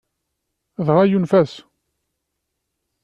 Dɣa, yunef-as.